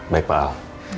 baik pak al